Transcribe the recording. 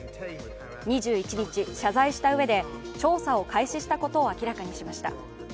２１日、謝罪したうえで調査を開始したことを明らかにしました。